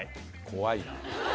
怖いな。